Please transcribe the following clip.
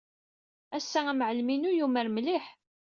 Ass-a, amɛellem-inu yumar mliḥ.